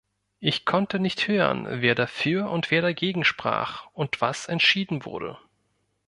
Ich konnte nicht hören, wer dafür und wer dagegen sprach und was entschieden wurde.